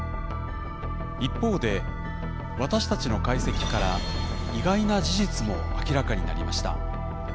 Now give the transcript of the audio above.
一方で私たちの解析から意外な事実も明らかになりました。